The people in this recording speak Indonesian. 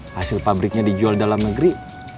hasil pabriknya dijual dalam negeri